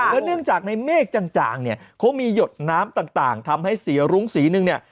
แล้วเนื่องจากในเมฆต่างเนี่ยเขามีหยดน้ำต่างทำให้สีรุ้งสีนึงเนี่ย